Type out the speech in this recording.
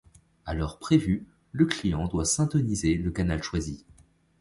À l'heure prévue, le client doit syntoniser le canal choisi.